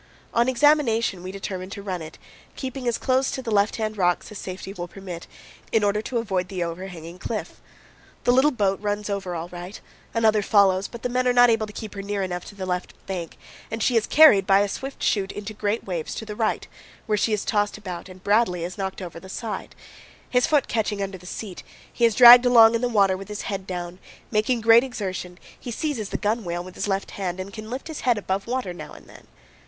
On examination we determine to run it, keeping as close to the left hand rocks as safety will permit, in order to avoid the overhanging cliff. The little boat runs over all right; another follows, but the men are not able to keep her near enough to the left bank and she is carried by a swift chute into great waves to the right, where she is tossed about and Bradley is knocked over the side; his foot catching under the seat, he is dragged along in the water with his head down; making great exertion, he seizes the gunwale with his left hand and can lift his head above water now and then.